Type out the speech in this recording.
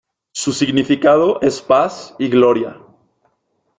Su significado es "paz y gloria".